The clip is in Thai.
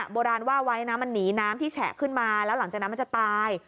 โบราณว่าไว้นะมันหนีน้ำที่แฉะขึ้นมาแล้วหลังจากนั้นมันจะตาย